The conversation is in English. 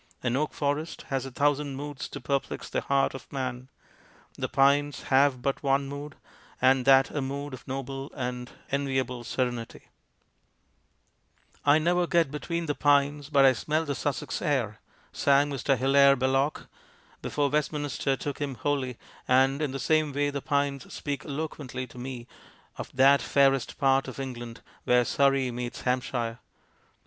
An oak forest has a thousand moods to perplex the heart of man ; the pines have but one mood, and that a mood of noble and enviable serenity. UNCOMFORTABLE SPRING 205 " I never get between the pines but I smell the Sussex air," sang Mr. Hilaire Belloc before Westminster took him wholly, and in the same way the pines speak eloquently to me of that fairest part of England where Surrey meets Hampshire.